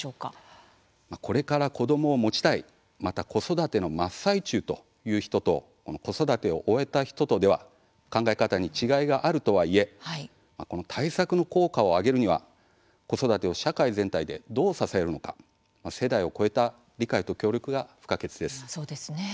これから子どもを持ちたいまた子育ての真っ最中という人と子育てを終えた人とでは考え方に違いがあるとはいえ対策の効果を上げるには子育てを社会全体でどう支えるのか世代を超えた理解と協力が不可欠です。